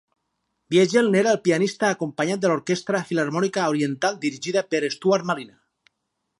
Biegel n'era el pianista, acompanyat de l'Orquestra Filharmònica Oriental dirigida per Stuart Malina.